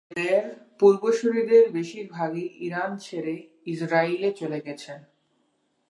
এদের পূর্বসূরীদের বেশির ভাগই ইরান ছেড়ে ইসরায়েলে চলে গেছেন।